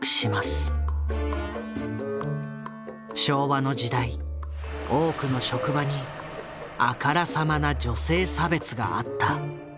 昭和の時代多くの職場にあからさまな女性差別があった。